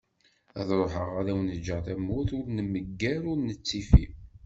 Ad ruḥeγ ad awen-ğğeγ tamurt ur nmegger ur nettifi.